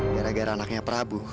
gara gara anaknya prabu